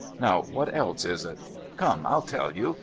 Now what else is it? Come, I'll tell you.